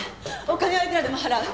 お金はいくらでも払う。